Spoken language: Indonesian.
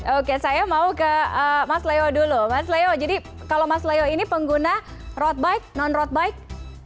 oke saya mau ke mas leo dulu mas leo jadi kalau mas leo ini pengguna road bike non road bike